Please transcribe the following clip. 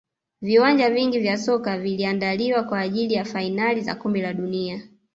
viwanja vingi vya soka viliandaliwa kwa ajili ya fainali za kombe la dunia